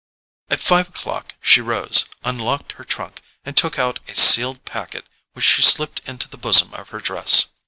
At five o'clock she rose, unlocked her trunk, and took out a sealed packet which she slipped into the bosom of her dress.